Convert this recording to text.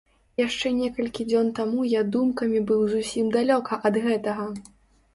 Яшчэ некалькі дзён таму я думкамі быў зусім далёка ад гэтага!